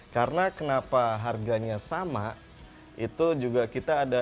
karena kenapa harganya sama itu juga kita ada